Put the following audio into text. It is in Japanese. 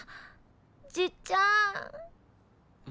じっちゃん。